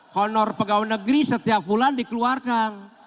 honor pegawai negeri setiap bulan dikeluarkan